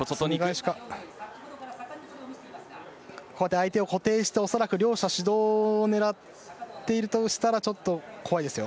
相手を固定して両者、指導を狙っているとしたらちょっと怖いです。